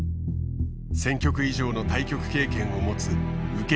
１，０００局以上の対局経験を持つ受け